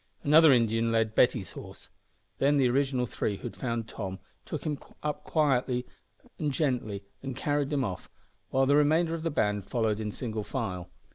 Another Indian led Betty's horse. Then the original three who had found Tom took him up quite gently and carried him off, while the remainder of the band followed in single file.